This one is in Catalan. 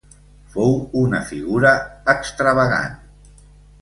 Fou una figura extravagant.